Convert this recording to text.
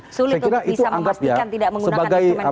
sulit untuk bisa mengastikan tidak menggunakan instrumen kekuasaan